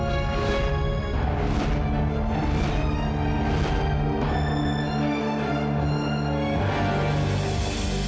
aku harus temuin dia sekarang